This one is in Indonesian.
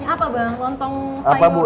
iya aku pun meleein deh